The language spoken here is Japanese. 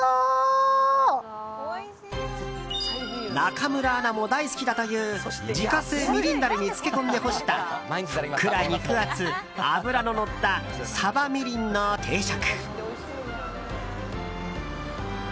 中村アナも大好きだという自家製みりんダレに漬け込んで干したふっくら肉厚、脂ののったさばみりんの定食。